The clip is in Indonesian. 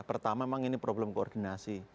pertama memang ini problem koordinasi